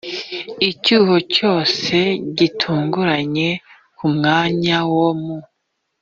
icyuho cyose gitunguranye ku mwanya wo mu